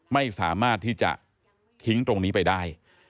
ไม่สามารถที่จะทิ้งตรงนี้ไปได้